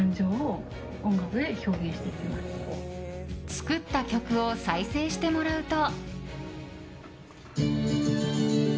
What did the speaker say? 作った曲を再生してもらうと。